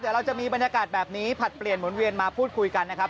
เดี๋ยวเราจะมีบรรยากาศแบบนี้ผลัดเปลี่ยนหมุนเวียนมาพูดคุยกันนะครับ